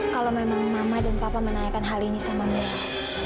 kalau memang mama dan papa menanyakan hal ini sama mama